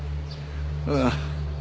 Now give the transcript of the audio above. ああ